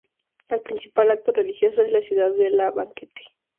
El principal acto religioso en la ciudad es el banquete de St.